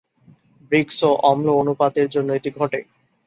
ব্রিক্স-অম্ল অনুপাতের জন্য এটি ঘটে।